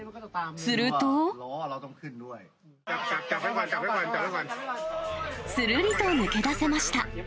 するりと抜け出せました。